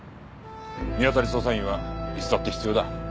見当たり捜査員はいつだって必要だ。